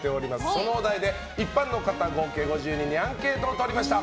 そのお題で一般の方合計５０人にアンケートを取りました。